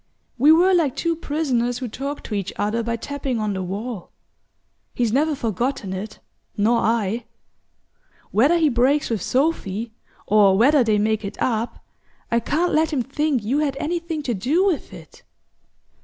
We were like two prisoners who talk to each other by tapping on the wall. He's never forgotten it, nor I. Whether he breaks with Sophy, or whether they make it up, I can't let him think you had anything to do with it."